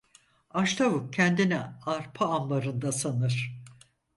Aç tavuk kendini arpa ambarında sanır.